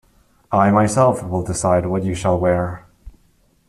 I myself will decide what you shall wear.